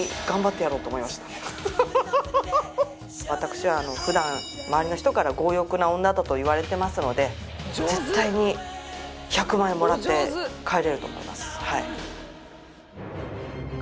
私は普段周りの人から強欲な女だと言われてますので絶対に１００万円もらって帰れると思います。